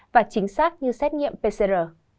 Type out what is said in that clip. và chính xác như xét nghiệm pcr